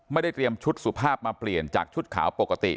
ไม่ได้เตรียมชุดสุภาพมาเปลี่ยนจากชุดขาวปกติ